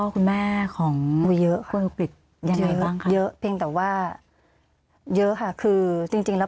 คุณแม่ของวีเยอะคนอังกฤษเยอะเพียงแต่ว่าเยอะค่ะคือจริงแล้ว